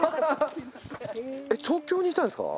東京にいたんですか？